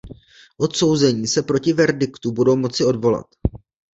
Odsouzení se proti verdiktu budou moci odvolat.